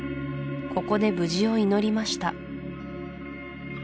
ここで無事を祈りました